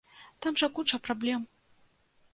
Там жа куча праблем.